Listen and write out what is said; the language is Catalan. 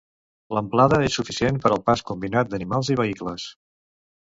L'amplada és suficient per al pas combinat d'animals i vehicles.